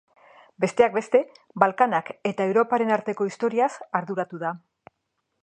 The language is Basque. Besteak beste, Balkanak eta Europaren arteko historiaz arduratu da.